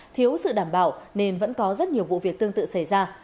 thiếu sự đảm bảo nên vẫn có rất nhiều vụ việc tương tự xảy ra